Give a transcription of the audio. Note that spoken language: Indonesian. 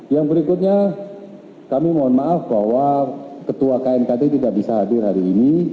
yang berikutnya kami mohon maaf bahwa ketua knkt tidak bisa hadir hari ini